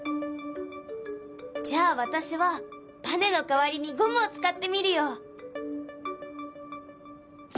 じゃあ私はばねの代わりにゴムを使ってみるよ。